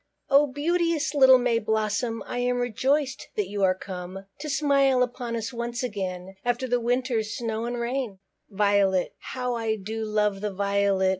Oh, beauteous, little May blossom, I am rejoiced that you are come, To smile upon us once again, After the winter's snow and rain. VIOLET. How I do love the Violet!